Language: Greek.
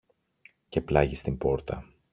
Και πλάγι στην πόρτα